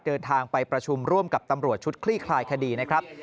เดินทางไปประชุมร่วมกับตำรวจชุดคลี่คลายคดีนะครับ